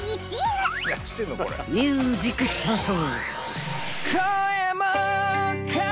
［ミュージックスタート！］